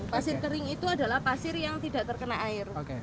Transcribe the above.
pasir kering itu adalah pasir yang tidak terkena air